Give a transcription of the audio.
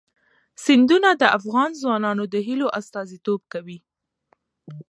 سیندونه د افغان ځوانانو د هیلو استازیتوب کوي.